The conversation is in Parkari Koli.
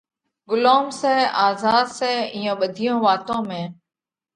ڳلوم سئہ آزاڌ سئہ، اِيئون ٻڌِيون واتون ۾